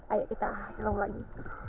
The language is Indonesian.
ayo kita telah lagi